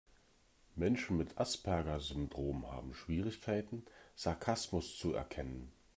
Menschen mit Asperger-Syndrom haben Schwierigkeiten, Sarkasmus zu erkennen.